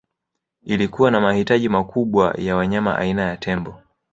Ilikuwa na mahitaji makubwa ya wanyama aina ya tembo